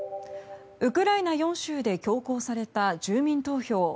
ウクライナ４州で強行された住民投票。